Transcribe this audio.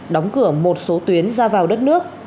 đóng cửa một số tuyến ra vào đất nước